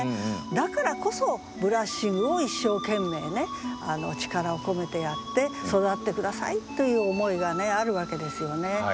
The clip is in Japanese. だからこそブラッシングを一生懸命ね力を込めてやって育って下さいという思いがあるわけですよね。